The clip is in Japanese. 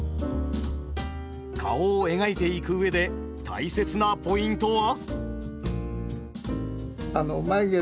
顔を描いていく上で大切なポイントは？